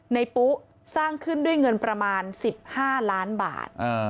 ในปุ๊กสร้างขึ้นด้วยเงินประมาณสิบห้าล้านบาท